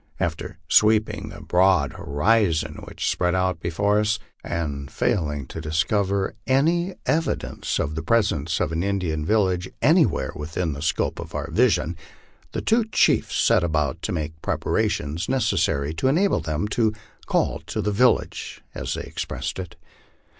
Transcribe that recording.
After sweeping the broad horizon which spread out before us, and fail ing to discover any evidence of the presence of an Indian village anywhere within the scope of our vision, the two chiefs set about to make preparations necessary to enable them to ' call to the village," as they expressed it.